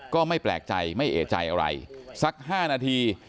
ก็ไม่แปลกใจไม่เอกใจอะไรสัก๕นาที